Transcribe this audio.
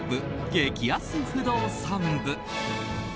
激安不動産部。